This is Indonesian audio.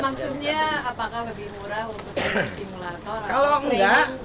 maksudnya apakah lebih murah untuk simulator